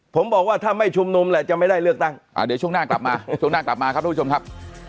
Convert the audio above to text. ผมบอกว่าถ้าไม่ชุมนุมแหละจะไม่ได้เลือกตั้งอ่าเดี๋ยวช่วงหน้ากลับมาช่วงหน้ากลับมาครับทุกผู้ชมครับ